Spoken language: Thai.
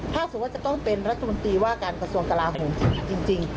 ถ้าสมมติว่าจะต้องเป็นรักษ์มนตรีว่าการประสวนกราศาสตร์ของจริง